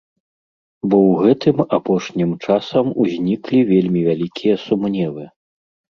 Бо ў гэтым апошнім часам узніклі вельмі вялікія сумневы.